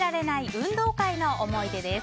運動会の思い出です。